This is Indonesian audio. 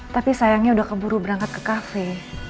tapi sayangnya udah keburu berangkat ke kafe